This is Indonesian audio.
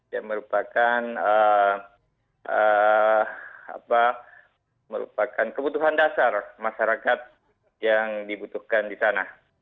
yang merupakan kebutuhan dasar masyarakat yang dibutuhkan di sana